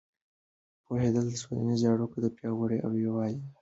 پوهېدل د ټولنیزو اړیکو د پیاوړتیا او یووالي لامل کېږي.